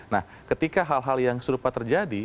nah ketika hal hal yang serupa terjadi